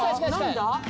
何だ？